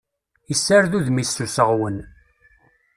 Issared udem-is s useɣwen.